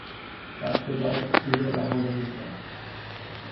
بخت بد او را رها نمیکرد.